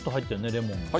レモンの。